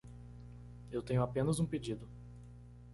Eu tenho apenas um pedido